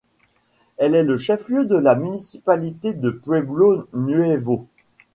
Elle est le chef-lieu de la municipalité de Pueblo Nuevo.